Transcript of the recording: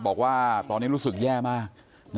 บอกว่าตอนนี้รู้สึกแย่มาก